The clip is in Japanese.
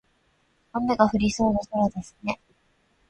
雨が降りそうな空ですね。